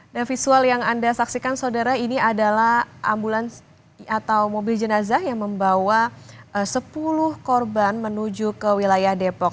nah visual yang anda saksikan saudara ini adalah ambulans atau mobil jenazah yang membawa sepuluh korban menuju ke wilayah depok